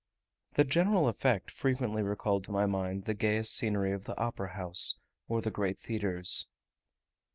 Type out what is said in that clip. The general effect frequently recalled to my mind the gayest scenery of the Opera house or the great theatres.